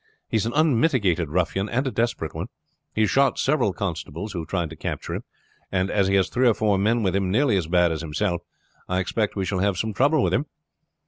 He is an unmitigated ruffian, and a desperate one. He has shot several constables who have tried to capture him, and as he has three or four men with him nearly as bad as himself I expect we shall have some trouble with him.